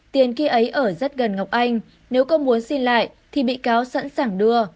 tiền khi ấy ở rất gần ngọc anh nếu có muốn xin lại thì bị cáo sẵn sàng đưa